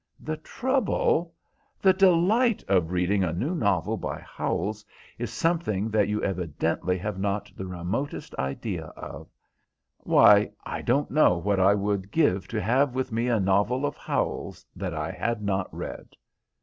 The trouble! The delight of reading a new novel by Howells is something that you evidently have not the remotest idea of. Why, I don't know what I would give to have with me a novel of Howells' that I had not read."